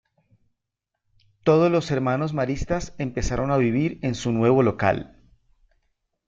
Todos los hermanos Maristas empezaron a vivir en su nuevo local.